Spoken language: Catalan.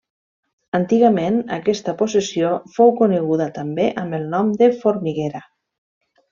Antigament, aquesta possessió fou coneguda també amb el nom de Formiguera.